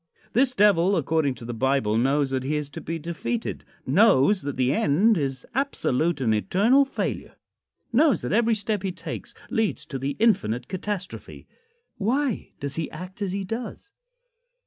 This Devil, according to the Bible, knows that he is to be defeated; knows that the end is absolute and eternal failure; knows that every step he takes leads to the infinite catastrophe. Why does he act as he does?